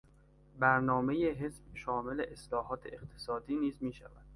برنامهی حزب شامل اصلاحات اقتصادی نیز میشود.